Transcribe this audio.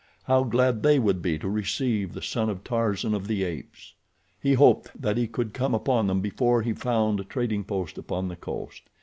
How glad they would be to receive the son of Tarzan of the Apes! He hoped that he could come upon them before he found a trading post upon the coast.